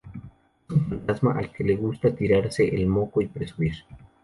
Es un fantasma al que le gusta tirarse el moco y presumir